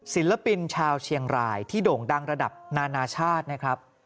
ศิลปินชาวเชียงรายที่โด่งดังระดับนานาชาตินะครับ